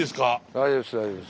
大丈夫です大丈夫です。